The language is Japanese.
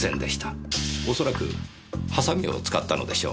おそらくハサミを使ったのでしょう。